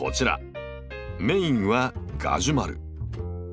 メインはガジュマル。